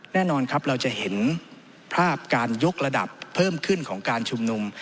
แน่นอนครับเราจะเห็นภาพการยกระดับเพิ่มขึ้นของการชุมนุม